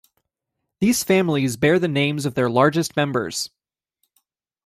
These families bear the names of their largest members.